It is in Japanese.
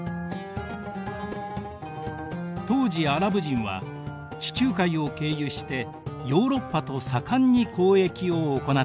当時アラブ人は地中海を経由してヨーロッパと盛んに交易を行っていました。